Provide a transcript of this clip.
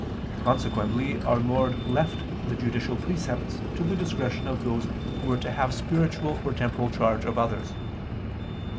Consequently Our Lord left the judicial precepts to the discretion of those who were to have spiritual or temporal charge of others.